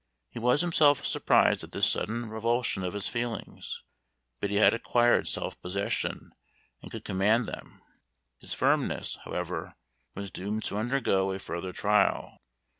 He was himself surprised at this sudden revulsion of his feelings, but he had acquired self possession and could command them. His firmness, however, was doomed to undergo a further trial.